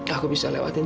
aku kuat om